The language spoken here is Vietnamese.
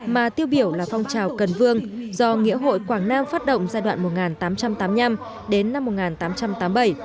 mà tiêu biểu là phong trào cần vương do nghĩa hội quảng nam phát động giai đoạn một nghìn tám trăm tám mươi năm đến năm một nghìn tám trăm tám mươi bảy